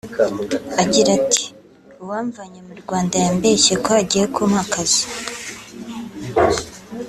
agira ati “Uwamvanye mu Rwanda yambeshye ko agiye kumpa akazi